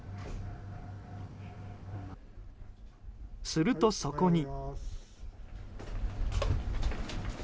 すると、そこに。